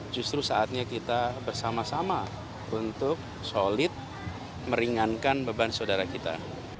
justru saatnya kita bersama sama untuk solid meringankan beban saudara kita